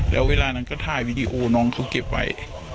แล้วเวลานั้นก็ถ่ายวีดีโอน้องเขาเก็บไว้